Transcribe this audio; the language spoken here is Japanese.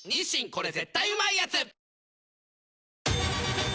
これ絶対うまいやつ」